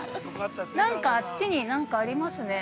◆あっちに何かありますね。